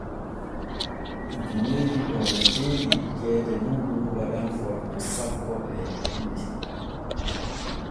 Gineeji ɓorneteeɗi ceede muuɗum waɗa Forto sappo e ɗiɗi.